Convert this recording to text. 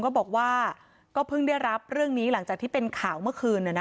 ก็บอกว่าก็เพิ่งได้รับเรื่องนี้หลังจากที่เป็นข่าวเมื่อคืน